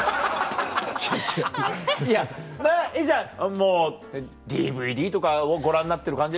いやえっじゃあもうＤＶＤとかをご覧になってる感じです？